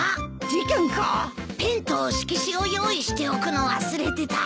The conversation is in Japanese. ペンと色紙を用意しておくの忘れてた。